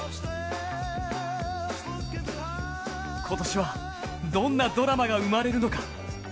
今年はどんなドラマが生まれるのか。